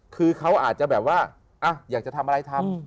คือเขาอาจจะแบบว่าอยากจะทำอะไรทำ